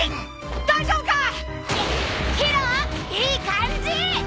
いい感じ！